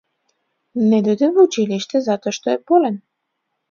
Не дојде во училиште затоа што е болен.